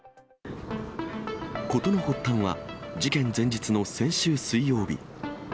事の発端は、事件前日の先週水曜日。